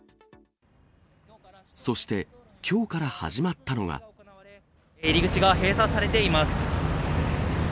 そして、きょうから始まった入り口が閉鎖されています。